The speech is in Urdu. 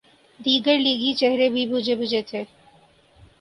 دیگر لیگی چہرے بھی بجھے بجھے تھے۔